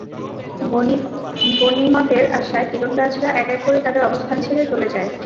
গনিমতের আশায় তীরন্দাজরা এক এক করে তাদের অবস্থান ছেড়ে চলে যায়।